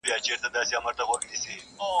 هارون جان ته د نوي کال او پسرلي ډالۍ:.